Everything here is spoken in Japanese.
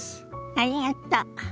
ありがと。